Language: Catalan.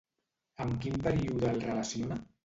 Amb quin període el relaciona?